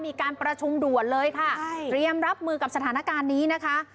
มีการประชุมด่วนเลยค่ะใช่เตรียมรับมือกับสถานการณ์นี้นะคะ